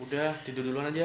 udah tidur duluan aja